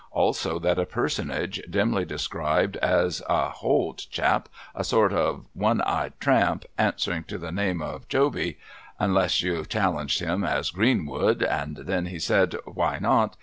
Also, that a personage^ dimly descrihed as ' a'hold chap, a sort of one eyed tramp, answering to the name of lohy, unless you challenged him as CIreenwood, and then he said" " Why not